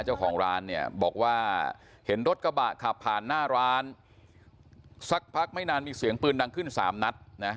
เจ้าของร้านเนี่ยบอกว่าเห็นรถกระบะขับผ่านหน้าร้านสักพักไม่นานมีเสียงปืนดังขึ้นสามนัดนะ